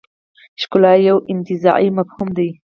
ښکلا یو انتزاعي مفهوم دی.